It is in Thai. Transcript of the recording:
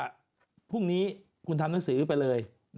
ถ้างั้นก็พรุ่งนี้คุณทำหน้าสือไปเลย